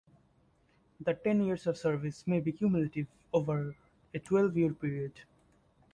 The ten years of service may be cumulative over a twelve-year period.